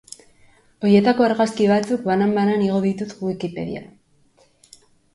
Horietako argazki batzuk, banan-banan, igo ditut Wikipediara.